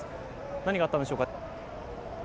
何があったんでしょうか。